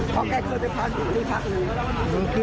เพราะแกเคยไปพักอยู่นี่พักเลย